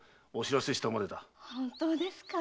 本当ですか？